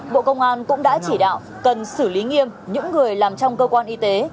bộ công an cũng đã chỉ đạo cần xử lý nghiêm những người làm trong cơ quan y tế